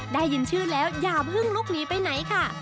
ได้ยินชื่อแล้วอย่าเพิ่งลุกหนีไปไหนค่ะ